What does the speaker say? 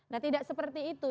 nah tidak seperti itu